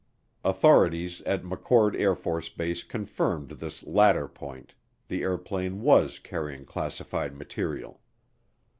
Authorities at McChord AFB confirmed this latter point, the airplane was carrying classified material.